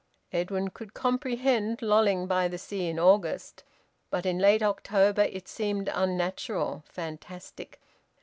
Edwin could comprehend lolling by the sea in August, but in late October it seemed unnatural, fantastic.